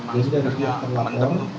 jadi dari pihak pelapor